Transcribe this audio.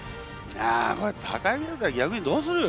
いやこれ貴之だったら逆にどうする？